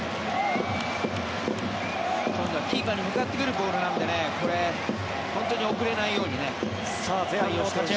今度はキーパーに向かってくるボールなのでこれ、本当に遅れないようにね対応してほしい。